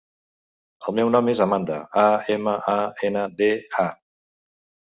El meu nom és Amanda: a, ema, a, ena, de, a.